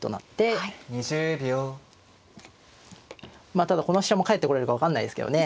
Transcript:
まあただこの飛車も帰ってこれるか分かんないですけどね。